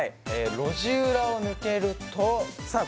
路地裏を抜けるとさあ